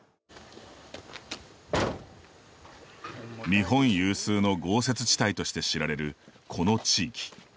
日本有数の豪雪地帯として知られるこの地域。